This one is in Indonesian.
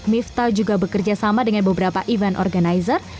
mifta juga bekerja sama dengan beberapa event organizer